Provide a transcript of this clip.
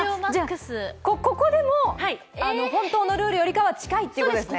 ここでも本当のルールよりかは近いということですね？